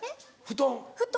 布団。